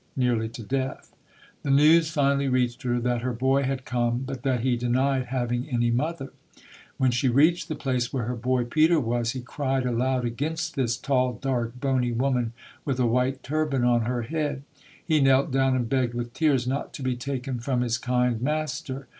nearly to death. The news finally reached her that her boy had come, but that he denied having any mother. When she reached the place where her boy Peter was, he cried aloud against this tall, dark, bony woman with a white turban on her head. He knelt down and begged with tears not to be taken from his kind master.